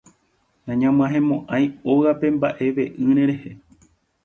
Nag̃uahẽmo'ãi ógape mba'eve'ỹ reheve.